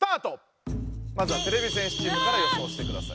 まずはてれび戦士チームから予想してください。